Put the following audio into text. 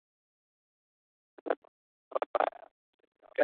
তবে চেক প্রজাতন্ত্রের বানিক অস্ত্রাভার কোচ রাদোমির কোরিতার আরেক ধাপ এগিয়ে।